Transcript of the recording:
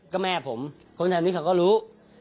ก็แม่ผมคนไทยก็นี่เขาก็รู้